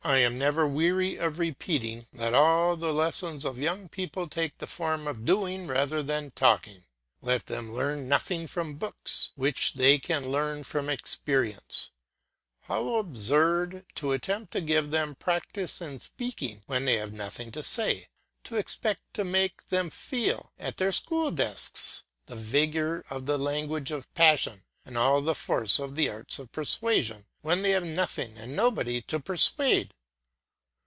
I am never weary of repeating: let all the lessons of young people take the form of doing rather than talking; let them learn nothing from books which they can learn from experience. How absurd to attempt to give them practice in speaking when they have nothing to say, to expect to make them feel, at their school desks, the vigour of the language of passion and all the force of the arts of persuasion when they have nothing and nobody to persuade!